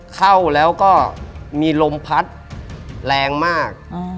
เข้าแล้วก็มีลมพัดแรงมาก